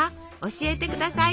教えてください。